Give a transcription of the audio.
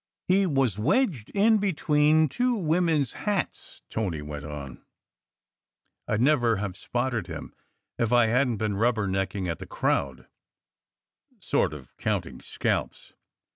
"He was wedged in between two women s hats," Tony went on. "I d never have spotted him, if I hadn t been rubber necking at the crowd, sort of counting scalps.